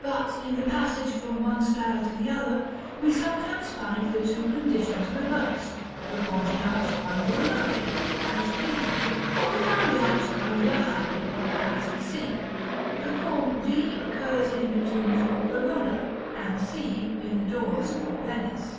But in the passage from one style to the other, we sometimes find the two conditions reversed; the pointed arch under a low gable, as d, or the round arch under a high gable, as c. The form d occurs in the tombs of Verona, and c in the doors of Venice.